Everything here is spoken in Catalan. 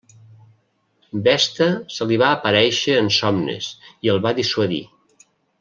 Vesta se li va aparèixer en somnis i el va dissuadir.